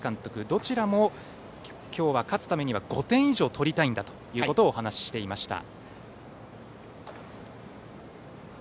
どちらも今日は勝つためには５点以上取りたいんだとお話していました。